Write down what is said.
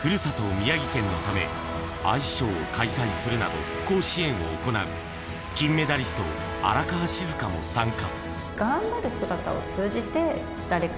宮城県のためアイスショーを開催するなど、復興支援を行う金メダリスト・荒川静香も参加。